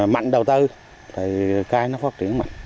mạnh đầu tư cây nó phát triển mạnh